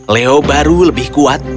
leo baru lebih kuat